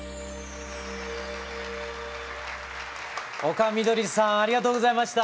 丘みどりさんありがとうございました。